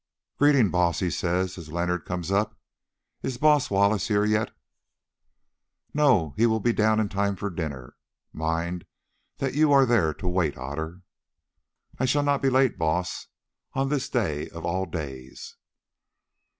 "Greeting, Baas," he says as Leonard comes up. "Is Baas Wallace here yet?" "No, he will be down in time for dinner. Mind that you are there to wait, Otter." "I shall not be late, Baas, on this day of all days."